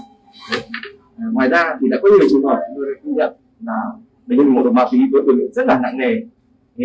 ngoài ra thì đã có nhiều người trùng hỏi người khuyên nhận là bệnh nhân có một ma phí tự nhiên rất là nặng nề